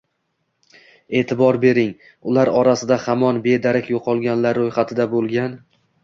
E’tibor bering, ular orasida hamon bedarak yo‘qolganlar ro‘yxatida bo‘lgan